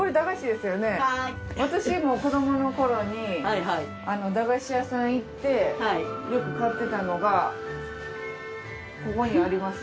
私も子どものころに駄菓子屋さん行ってよく買ってたのがここにあります。